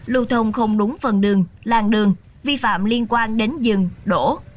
lưu thông không đúng phần đường làng đường vi phạm liên quan đến dừng đổ